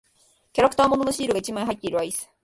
キャラクター物のシールが一枚入っているアイス。